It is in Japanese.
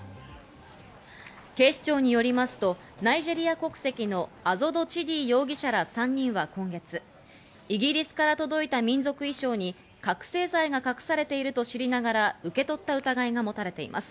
警視庁によりますとナイジェリア国籍のアゾド・チディ容疑者ら３人は今月、イギリスから届いた民族衣装に、覚せい剤が隠されていると知りながら受け取った疑いが持たれています。